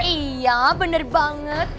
iya bener banget